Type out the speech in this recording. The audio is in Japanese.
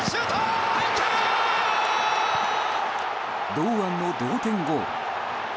堂安の同点ゴール。